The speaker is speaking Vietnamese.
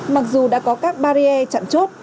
mặc dù đã có các barrier chặn chốt